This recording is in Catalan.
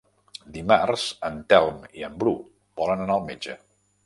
Dimarts en Telm i en Bru volen anar al metge.